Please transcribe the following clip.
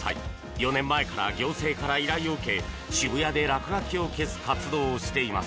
４年前から行政から依頼を受け渋谷で落書きを消す活動をしています。